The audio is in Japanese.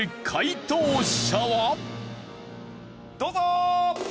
どうぞ！